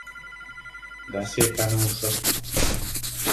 De szépen úszott!